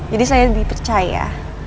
jadi saya dipercaya